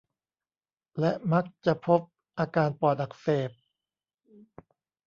และมักจะพบอาการปอดอักเสบ